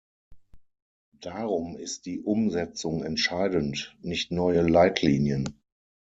Darum ist die Umsetzung entscheidend, nicht neue Leitlinien.